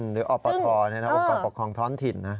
หรืออปฐเนี่ยนะอุปกรณ์ปกครองท้อนถิ่นนะ